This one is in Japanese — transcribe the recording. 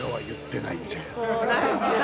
そうなんすよ。